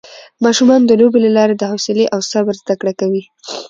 ماشومان د لوبو له لارې د حوصله او صبر زده کړه کوي